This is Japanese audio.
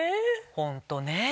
ホントねぇ。